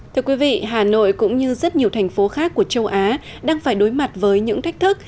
thưa quý vị hà nội cũng như rất nhiều thành phố khác của châu á đang phải đối mặt với những thách thức